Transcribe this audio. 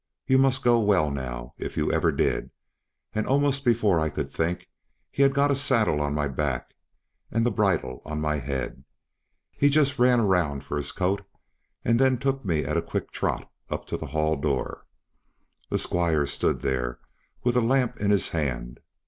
you must go well now, if ever you did"; and almost before I could think, he had got the saddle on my back and the bridle on my head. He just ran around for his coat, and then took me at a quick trot up to the Hall door. The Squire stood there, with a lamp in his hand.